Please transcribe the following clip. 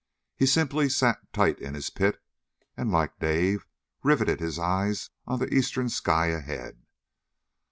He simply sat tight in his pit, and like Dave riveted his eyes on the eastern sky ahead.